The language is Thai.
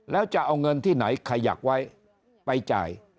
แล้วจะเอาเงินที่ไหนขยักไว้ไปจ่าย